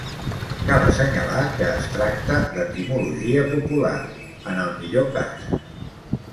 Cal assenyalar que es tracta d'etimologia popular, en el millor cas.